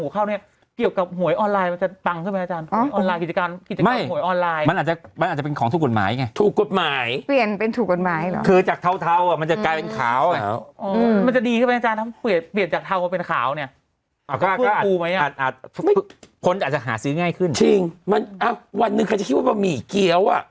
คนอาจจะหาซื้อง่ายขึ้นอ่าวันนึงเขาจะคิดว่าบะหมี่เกี่ยวอ่ะ